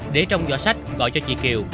để trong giỏ sách gọi cho chị kiều